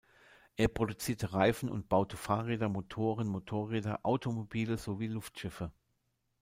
Er produzierte Reifen und baute Fahrräder, Motoren, Motorräder, Automobile sowie Luftschiffe.